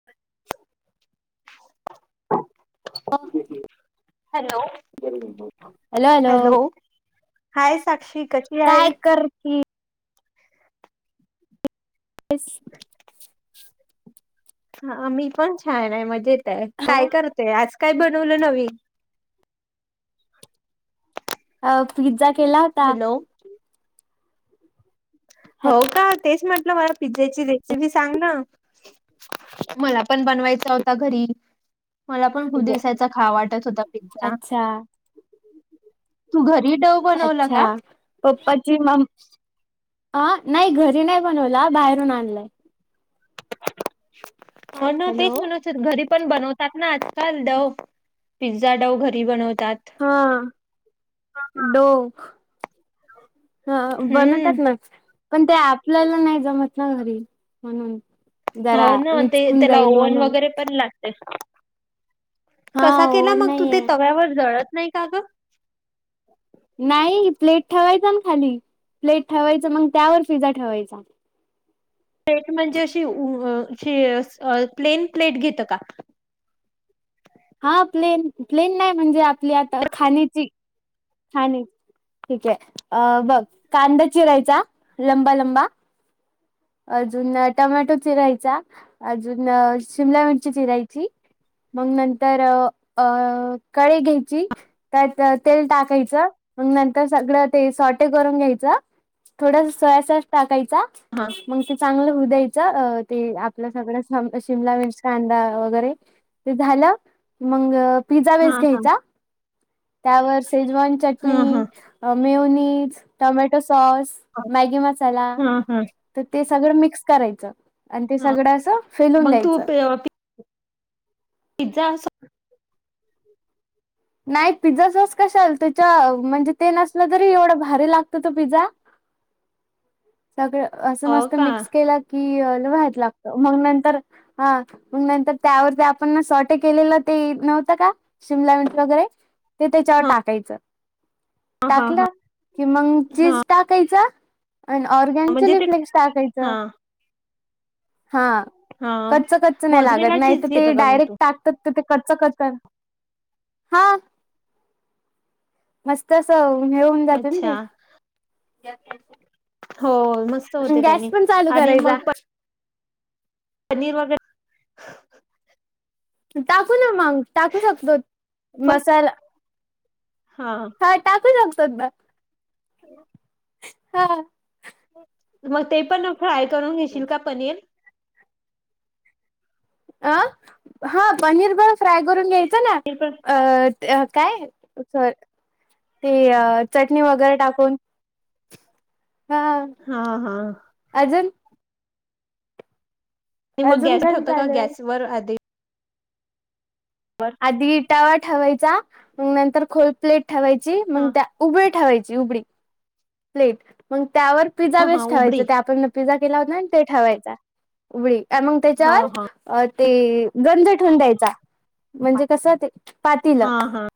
[unintelligible] Hello hello. Hello? Hi Sakshi कशी? काय आहेस? करती? [unintelligible] हा मी पण छान आहे, मजेत आहे. काय अ करतेय? आज काय बनवलं नवीन? अ पिझ्झा केला होता. हॅलो हो का तेच म्हटलं मला पिझ्झाची रे सीपी सांग ना, मला पण बनवायचा होता घरी. मला पण खूप दिवसाचा खाव वाटत होता पिझ्झा. अच्छा तू घरी डव बनवला अच्छा का? पप्पाची मम अ नाही घरी नाही बनवला बाहेरून आणलाय. म्हणून हॅलो तेच मग. तेच घरी पण बनवतात ना आजकाल डव पिझ्झा डव घरी बनवतात. हां डोख हां हम्म बनवतात ना, पण ते आपल्याला नाही जमत ना घरी म्हणून. हो जरा ना ते विचकून त्याला जाईल ओव्हन म्हणून वगैरे पण लागतेय. हा कसा केला ओव्हन मग तू, ते नाहीये तव्यावर जळत नाही का ग? नाही प्लेट ठेवायचा ना खाली, प्लेट ठेवायचं मग त्यावर पिझ्झा ठेवायचा. प्लेट म्हणजे अशी ऊ अ शी अ प्लेन प्लेट घेत का? हां प्लेन, प्लेन नाही म्हणजे आपली आता खाण्याची. हां नाही ठीक आहे, अ बघ कांदा चिरायचा लंबा लंबा. अजून टमॅटो चिरायचा, अजून शिमला मिरची चिरायची. मग नंतर अ कढई घ्यायची. त्यात तेल टाकायचं, मग नंतर सगळं ते सॉटे करून घ्यायचं. थोडासा सोया सॉस टाकायचा. हां. मग ते चांगलं होऊ द्यायचं ते आपलं सगळं शिमला मिरच, कांदा वगैरे. ते झालं मग की मंग पिझ्झा बेस हां, हां. घ्यायचा, त्यावर शेजवान हां, चटणी हां. मिओनिज, टोमॅटो सॉस, हां, मॅगी, मसाला हां हां तर ते सगळं मिक्स करायचं आणि ते हां. सगळं असं फेलून मग तू द्यायचं. प पिझ्झा असो नाही, पिझ्झा सॉस कशाला? त्याच्या म्हणजे ते नसलं तरी एवढं भारी लागतं तो पिझ्झा सगळं असं अ, मस्त का? मिक्स केला की लई भारी लागतं, मग नंतर हां, मग नंतर त्यावरती आपण ना सॉटे केलेलं ते नव्हतं का? शिमलां मिर्च वगैरे ते त्याच्यावर हां, टाकायचं, हां, हां. टाकलं कि मग हां, चीज टाकायचं आणि ऑरगॅन म्हणजे चिली ते फ्लेक्स टाकायचं, हां, हां हां. कच्च, कच्च, नाही लागत, मोझरेला नाही चीज तर ते घेतं का मग डायरेक्ट तू? टाकतात तर ते कच्च कतर हां मस्त अस हे होऊन जातं ना ते? अच्छा. हो, मस्त होतेय गॅस त्यांनी पण चालू आणि करायचा मग पनीर वैगेरे टाकू ना मग, टाकू शकतो, पण मसाला हां हां टाकू शकतात ना [inaudible] हां मग ते पण फ्राय करून घेशील का पनीर? आ, हां पनीर पण फ्राय करून घ्यायचं ना, ते पण अ काय, सॉरी ते चटणी वगैरे टाकून हां, हां, हां. अजून? मग अजून गॅस घण ठेवता का? झालं गॅस वर आधी आधी इटावा ठेवायचा, मग नंतर खोल प्लेट ठेवायची, मग हां. त्या उभी ठेवायची उबडी. प्लेट, मग त्यावर पिझ्झा हां, हां. बेस ठेवायच, उबडी. ते आपण पिझ्झा केला होता ना ते ठेवायचा उगडी, आणि मग हां, त्याच्यावर हां. अ, ते, गंज ठेवून द्यायचा, म्हणजे कस ते पातीलं हां, हां.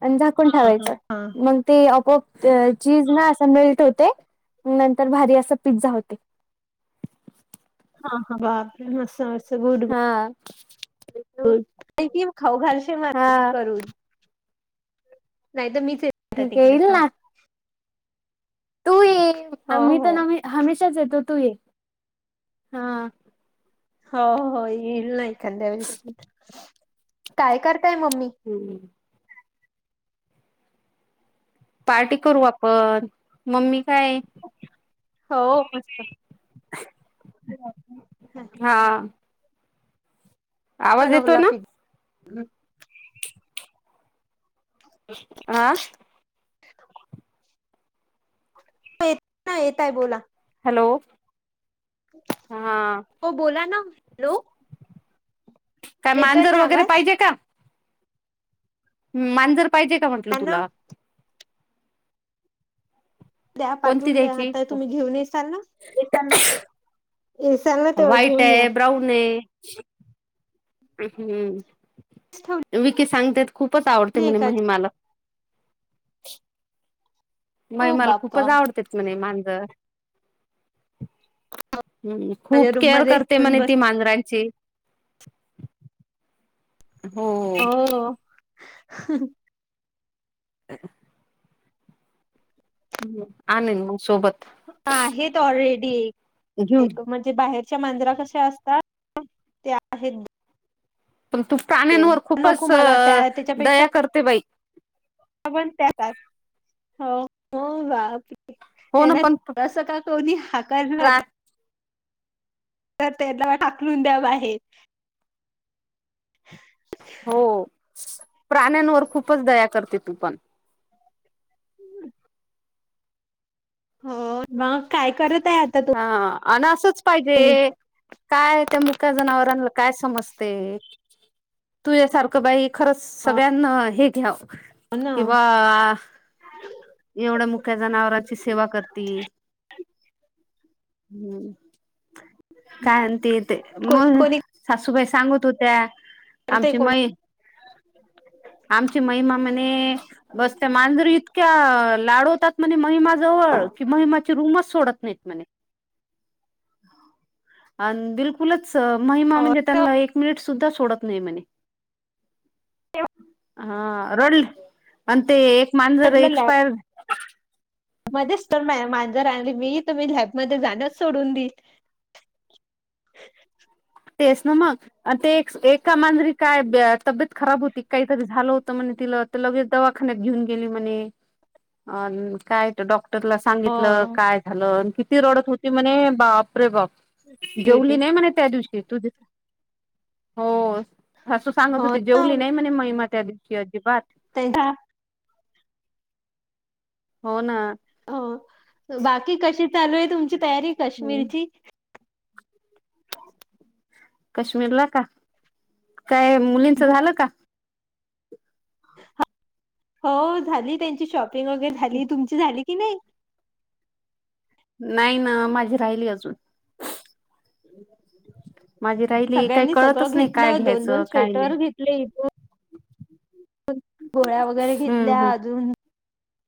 आणि झाकण ठेवायचं हां. मग ते आपोआप चीज ना असं मेल्ट होते नंतर भारी असं पिझ्झा होते. हा हा हा असं गुड हा कि खाऊ घालशील मला हा करून नाहीतर मीच येते आता ठीक आहे तिकडे येईल थांब ना तू ये हो आम्ही हो तर हमेशाच येतो तू ये हा हो हो येईल ना एखांद्या वेळेस काय करताय मम्मी हम्म पार्टी करू आपण मम्मी काय हो मस्त [unintelligible] नक्की हां येतो बनवला ना पि आ [inaudible] येतंय येतय बोला हॅलो हा हो बोला ना हॅलो काय येतोय मांजर ना वगैरे आवाज पाहिजे का? मांजर पाहिजे का म्हटलं द्या ना तुला द्या कोणती पाठवून द्या द्यायची? आता तुम्ही घेऊन येसाल ना येसाल येसाल तेव्हा व्हाईट घेऊन या आहे ब्राऊन आहे. हम्म ठेवली विकी सांगतात खूपच आवडते म्हणे एका महिमाला हो महिमाला खूपच बाप्पा आवडते म्हणे मांजर हम्म माझ्या खूप रूम केअर मध्ये करते येऊन म्हणे बस ती मांजरांची हो. [unintelligible] [inaudible] आणेल मग सोबत आहेत ऑलरेडी घेऊन. म्हणजे एक बाहेर तुमच्या मांजरा कशा असतात ते आहेत. पण तू दोन प्राण्यांवर खूपच नको मला त्या त्याच्यापेक्षा दया करते बाई पण त्यात हो हो बा हो ना त्यांनास पण असं का कोणी हकारलं प्रा तर त्याला हाकलून द्या बाहेर हो प्राण्यांवर खूपच दया करते तू पण हो मग काय करत आहे आता तू ह अन असंच पाहिजे. काय त्या मुक्या जनावरांना काय समजते. तुझ्यासारखं बाई खरंच हो सगळ्यांना हे घ्याव. ना किंवा एवढ मुक्या जनावरांची सेवा करती. हम्म काय ते ते कोणी मग कोणी सासूबाई सांगत होत्या. करते आमची कोणी मही आमची महिमा म्हने बसत्या मांजरत. त्य लाडवतात म्हने महिमाजवळ कि, महिमाची रूमच सोडत नाहीत. म्हणे. आणि बिलकुलच महिमा म्हणजे त्यांना एक मिनिट सुद्धा सोडत नाही म्हणे. ठेव. हा रडली आणि ते एक माजर म्हटलं लॅब एक्सपायर. मध्येच तर नाय माजर आणि मी तुम्ही लॅबमध्ये जाणं सोडून देईल. तेच ना मग. अ ते एका मांजरी काय तब्येत खराब होती काहीतरी झालं होतं म्हण तिला. त लगेच दवाखान्यात घेऊन गेली म्हणे काय डॉक्टर. डॉक्टरला सांगितलं हो काय झालं किती रडत होती म्हणे बाप रे बाप. जेवली नाही म्हणे त्या दिवशी तू दे. हो सासू सांगत हो होते ना जेवली नाही म्हणे महिमा त्या दिवशी अजिबात. तेव्हा [inaudible] हो ना, हो बाकी कशी चालू आहे. तुमची तयारी काश्मीरची. काश्मीरला का, काय मुलींच झालं का, हो झाली त्यांची शॉपिंग वगैरे झाली तुमची झाली की, नाही. नाही ना माझी राहिली अजून'' माझी राहिली काही सगळ्यांनी कळतच सगळं नाही काय घेतलं दोन घ्यायचं दोन काय नाही स्वेटर घेतले इथून. पण गोळ्या वगैरे घेतल्या अजून''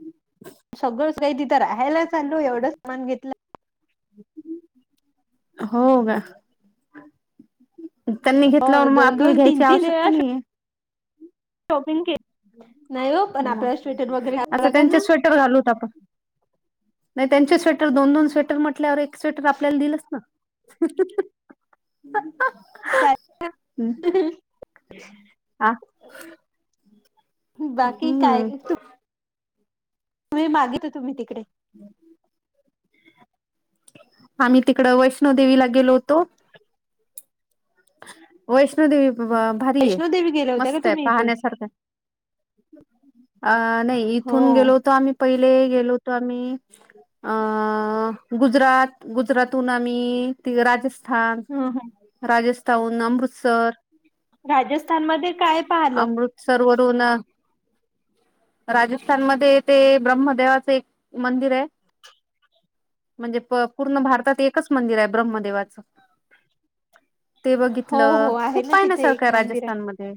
हमं, सगळंच काही तिथं राहायलाच चालू एवढं सामान घेतलं. हो गा, त्यांनी घेतला हो मग दोन आपल्याला दोन तीन घ्यायची तीन आवश्यकता वेळा नाहीये. शॉपिंग के''--'' हम, म आता घालावं लागेल त्यांचे ना. स्वेटर घालूत होता आपण. नाही त्यांचे स्वेटर दोन दोन स्वेटर म्हटल्यावर एक स्वेटर आपल्याला दिलच ना. चालेल [inaudible] हम्म आ, बाकी काय हम्म ग तू. होय मागे च होतो मी तिकडे. हम [inaudible] आम्ही तिकडं वैष्णोदवीला गेलो होतो. वैष्णोदेवी भारी आहे वैष्णोदेवी गेल्या होत्या का मस्त आहे तुम्ही इथून? पाहण्यासारखं. अ नाही हो. इथून गेलो होत आम्ही. पहिले गेलो होतो आम्ही. अ गुजरात गुजरातहून आम्ही राजस्थ. स्थान हं, हं. राजस्थऊन अमृतसर. राजस्थानमध्ये काय पाहिलं. सर्व रोना ना. राजस्थान मध्ये ते ब्रह्मदेवाचं एक मंदिर आहे. म्हणजे प पूर्ण भारतात एकच मंदिर आहे ब्रह्मदेवाचं. ते हो हो बघितलं आहे खूप ना पाय न तिथे सार का एक मंदिर आहे राजस्थानमध्ये.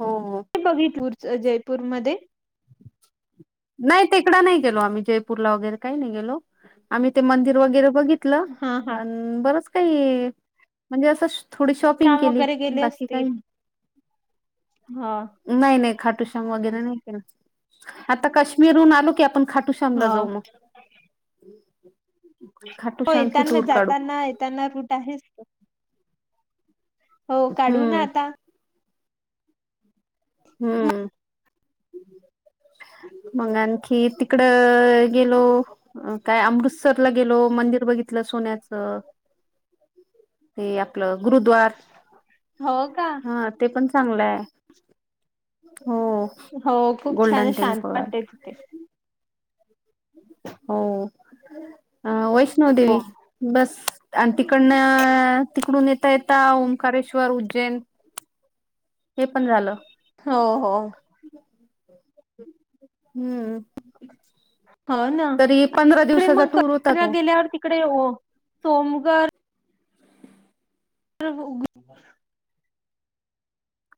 हो हो, बघि पूरच जयपूरमध्ये नाय तीकड नाय गेलो आम्ही जयपूरला वगैरे काही नाय गेलो आम्ही ते मंदिर वगैरे बघित ल. हा हा अन् बरच काही म्हणजे अस थोडी शॉपिंग शाम केली वगैरे गेले बाकी काय असतील हा नाय नाय नखाटुशम वगैरे नाही केलं. आता काश्मीरहून आलो की आपण खाटूश्यामला ह जाऊ म. खाटूश्यामची टूर काढू. त्यांना रूट आहे. हो काढू ना हम्म आता. हम्म. [inaudible] मग आणखी तिकडं गेलो. अ काय अमृतसरला गेलो मंदिर बघितलं सोन्याचं. ते आपलं गुरुद्वार हो का हा ते पण चांगलं आय. हो. हो खूप छान गोल्डन शांत टेम्पल वाटते तिथे. हो हा वैष्णो हो देेवी बस. अन् तिकडन तिकडून येता येता ओंकारेश्वर, उज्जैन [inaudible] हे पण झालं हो हो हम्म. हो ना तरी पंधरा तिकडे दिवसाचा मग टूर होता तो गेल्यावर तिकडे ओ सोमगर [unintelligible]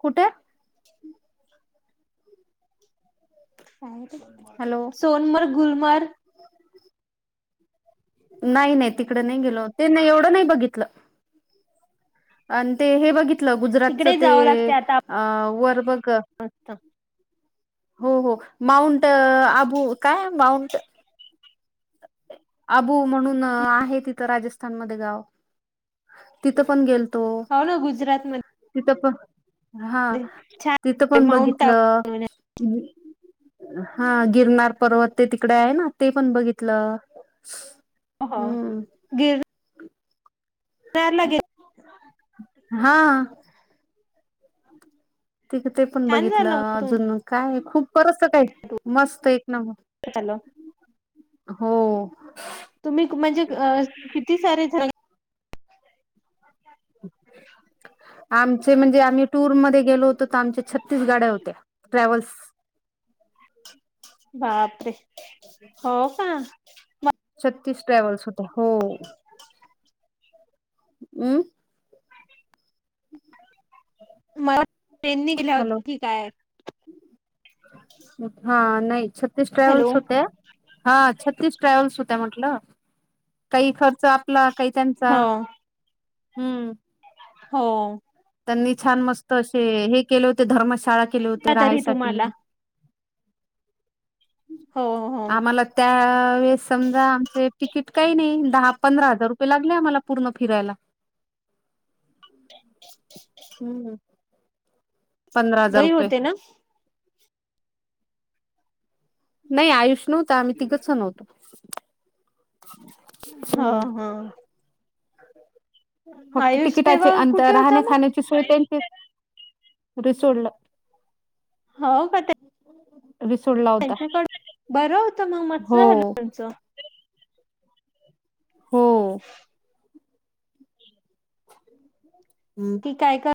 कुठे? हॅलो सोनमर्ग, गुलमर्ग. नाय नाय तिकड नाय गेलो त्यांनी एवढं नाय बघितलं. आणि ते हे बघितलं गुजरातच तिकडे ते जावं लागते आता अ वर बघ [unintelligible] हो हो माऊंट आबू काय माऊंट अबू म्हणून आहे तिथं राजस्थानमध्ये गाव. तिथं पण गेलतो हो ना गुजरात म तिथं प हा तिथं छान पण माउंट बघितलं. आबू हा गिरनार पर्वत ते तिकडे आय ना ते पण बघितलं. हा हम्म गीर तयार हा. तिथ ते पण छान झालं बघितलं अजून काय खूप परस काय मस्त एक नंबर तुमचं हो. तुम्ही म्हणजे किती सारे [inaudible] आमचे म्हणजे आम्ही टूरमध्ये गेलो होतो तर आमच्या छत्तीस गाड्या होत्या ट्रॅव्हल्स. बापरे हो का? छत्तीस ट्रॅव्हल्स हुत्या हो. हम्? [inaudible] मला ट्रेननी गेल्या हॅलो होत्या की काय? हा नाही छतीश हॅलो ट्रॅव्हल्स होते. हा छत्तीस ट्रॅव्हल्स होत्या म्हटलं, काही खर्च आपला काही त्यांचा. हो हम्म हो. त्यांनी छान मस्त असे हे केले, होते धर्मशाळा केले होते तरी राहायसाठी. तुम्हाला हो हो आम्हाला? त्यावेेळेस समजा आमचे तिकीट काही नाही, दहा पंधरा हजार रुपये लागले आम्हाला पूर्ण फिरायला. हम्म पंधरा हजार गई रुपये. होते ना नाही आयुष्य नव्हत आम्ही तिघंच जण होतो. हा हम्म हा फक्त तिकिटाची, अंतर राहण्या मग खाण्याची सोय त्यांची घरी सोडलं. हो का ते. तुम्ही सोडला. त्यांच्याकड बरं होतं मग मस्त हो झालं मग तेचं. हो. हम्म. की काय कर.